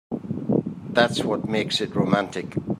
That's what makes it romantic.